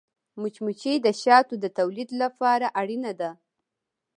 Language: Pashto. مچمچۍ د شاتو د تولید لپاره اړینه ده